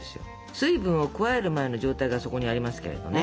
水分を加える前の状態がそこにありますけれどね。